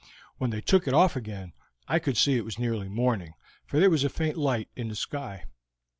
When they took it off again I could see it was nearly morning, for there was a faint light in the sky.